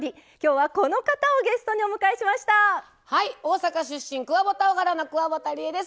はい大阪出身クワバタオハラのくわばたりえです。